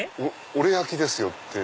俺焼きですよ！って。